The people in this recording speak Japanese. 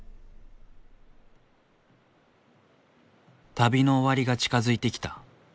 旅の終わりが近づいてきた。